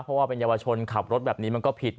เพราะว่าเป็นเยาวชนขับรถแบบนี้มันก็ผิด